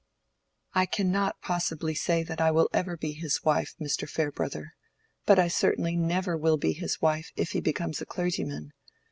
"I cannot possibly say that I will ever be his wife, Mr. Farebrother: but I certainly never will be his wife if he becomes a clergyman.